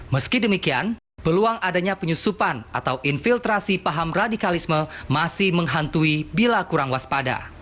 meski demikian peluang adanya penyusupan atau infiltrasi paham radikalisme masih menghantui bila kurang waspada